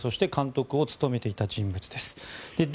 そして監督を務めていた人物です。